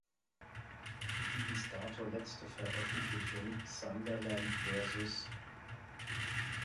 Die bis dato letzte Veröffentlichung, "Sunderland vs.